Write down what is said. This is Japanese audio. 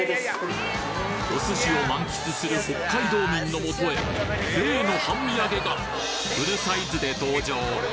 お寿司を満喫する北海道民のもとへ例の半身揚げがフルサイズで登場！